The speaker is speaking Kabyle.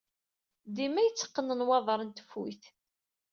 Dima yetteqqen nwaḍer n tfuyt.